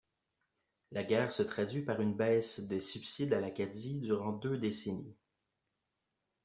La guerre se traduit par une baisse des subsides à l'Acadie durant deux décennies.